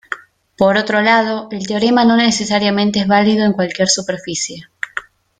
Por otro lado, el teorema no necesariamente es válido en cualquier superficie.